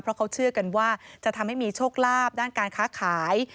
เพราะเขาเชื่อกันว่าจะทำให้มีโชคลาภด้านการค้าขาย